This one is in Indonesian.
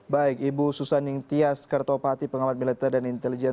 baik ibu susan yngtyas kartopati pengamat militer dan intelijen